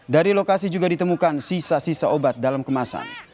dari lokasi juga ditemukan sisa sisa obat dalam kemasan